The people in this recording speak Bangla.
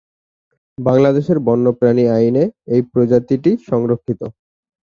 বাংলাদেশের বন্যপ্রাণী আইনে এই প্রজাতিটি সংরক্ষিত।